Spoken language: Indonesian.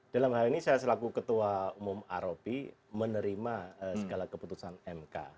dalam hal ini saya selaku ketua umum rob menerima segala keputusan mk